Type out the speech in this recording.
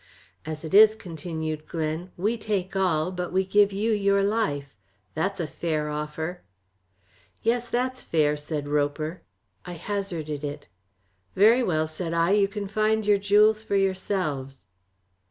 "As it is," continued Glen, "we take all, but we give you your life. That's a fair offer." "Yes, that's fair," said Roper. I hazarded it. "Very well," said I. "You can find your jewels for yourselves."